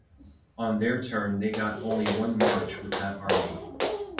On their turn they get only one march with that army.